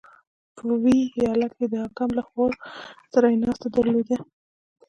• په ویي ایالت کې د حاکم له خور سره یې ناسته درلوده.